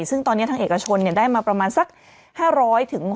ซึ่งตอนนี้ทางเอกชนเนี่ยได้มาประมาณสัก๕๐๐๖๐๐ล้าน